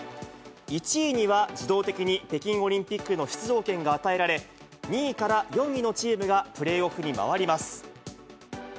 １位には自動的に北京オリンピックの出場権が与えられ、２位から４位のチームがプレーオフに回ります。